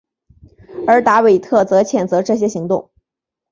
而达维特则谴责这些行动。